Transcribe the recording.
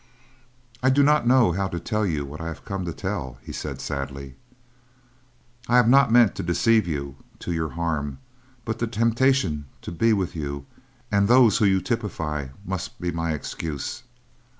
"I do not know how to tell you what I have come to tell," he said sadly. "I have not meant to deceive you to your harm, but the temptation to be with you and those whom you typify must be my excuse.